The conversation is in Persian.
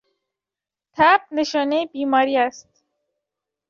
تب نشانهی بیماری است.